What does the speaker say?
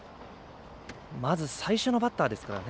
まず最初のバッターですからね。